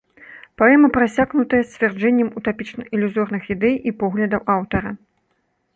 Паэма прасякнутая сцвярджэннем утапічна-ілюзорных ідэй і поглядаў аўтара.